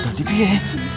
jadi biaya ya